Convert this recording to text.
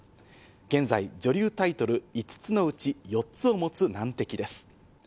現在女流タイトル５つのうち４つを持つ難敵です。